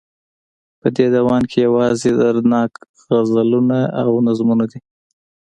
په دې ديوان کې يوازې دردناک غزلونه او نظمونه دي